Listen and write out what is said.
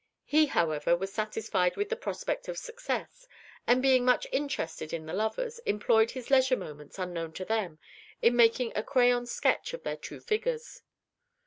He, however, was satisfied with the prospect of success, and being much interested in the lovers, employed his leisure moments, unknown to them, in making a crayon sketch of their two figures.